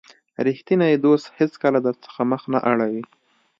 رښتینی دوست هیڅکله درڅخه مخ نه اړوي.